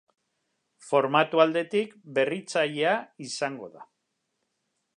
Formatu aldetik berritzailea izango da.